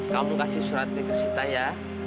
kamu kasih surat ke sita ya